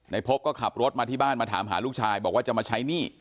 พบก็ขับรถมาที่บ้านมาถามหาลูกชายบอกว่าจะมาใช้หนี้